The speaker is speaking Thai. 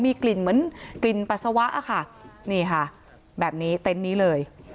มีกลิ่นเหมือนกลิ่นปัสสาวะค่ะนี่ค่ะแบบนี้เต็นต์นี้เลย